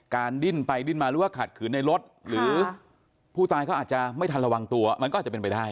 ดิ้นไปดิ้นมาหรือว่าขัดขืนในรถหรือผู้ตายเขาอาจจะไม่ทันระวังตัวมันก็อาจจะเป็นไปได้